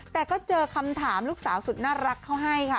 แต่ก็เจอคำถามลูกสาวสุดน่ารักเขาให้ค่ะ